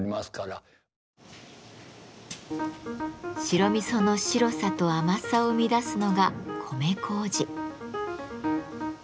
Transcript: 白味噌の白さと甘さを生み出すのが米麹。